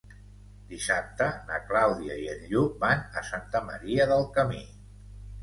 Dissabte na Clàudia i en Lluc van a Santa Maria del Camí.